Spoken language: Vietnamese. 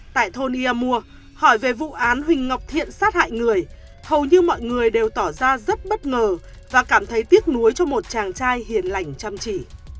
tại thôn ia mua hỏi về vụ án huỳnh ngọc thiện sát hại người hầu như mọi người đều tỏ ra rất bất ngờ và cảm thấy tiếc nuối cho một chàng trai hiền lành chăm chỉ